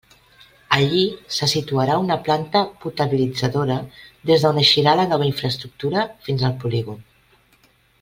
Allí se situarà una planta potabilitzadora des d'on eixirà la nova infraestructura fins al polígon.